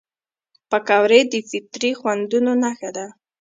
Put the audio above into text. پکورې د فطري خوندونو نښه ده